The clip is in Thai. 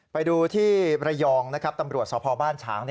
ไปดูที่ระยองนะครับตำรวจสพบ้านฉาง